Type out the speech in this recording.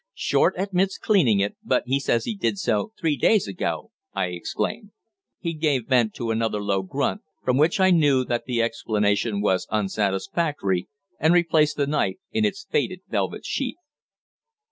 "Short admits cleaning it, but he says he did so three days ago," I exclaimed. He gave vent to another low grunt, from which I knew that the explanation was unsatisfactory, and replaced the knife in its faded velvet sheath.